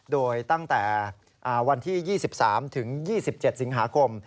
โดยตั้งแต่วันที่๒๓ถึง๒๗สิงหาคม